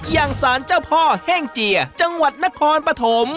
ยังศาลเจ้าพ่อแห้งเจียจังหวัดนครปฐม